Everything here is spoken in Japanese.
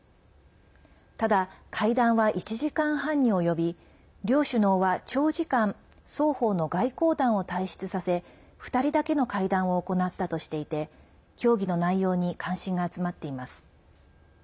ただ、会談は１時間半に及び両首脳は長時間双方の外交団を退室させ２人だけの会談を行ったとしていて協議の内容に関心が集まっています。